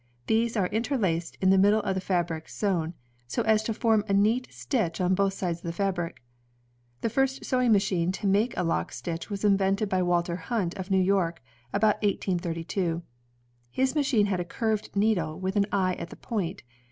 These are interlaced in the middle of the fabric sewn, so as to form a neat stitch on both sides of the fabric. The first sewing machine to make a lock stitch was invented by Walter Hunt of New York, about 1832. His machine had a curved needle with an eye at the point.